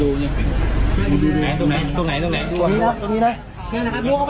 ถอยบันไดแล้วก็ลุกขึ้นลงไปเอากระดาษขาวแล้วก็ลุกขาว